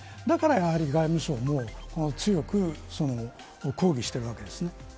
だから、やはり外務省も強く抗議しているわけです。